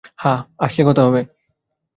হ্যাঁ, আসলে কথা হবে।